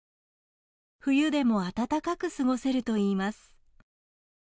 冬でも暖かく過ごせるといいます。